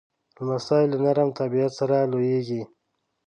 لمسی له نرم طبیعت سره لویېږي.